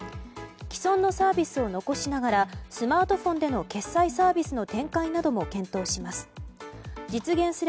既存のサービスを残しながらスマートフォンでの決済サービスの展開なども検討します。